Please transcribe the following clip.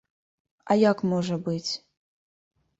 А як можа быць?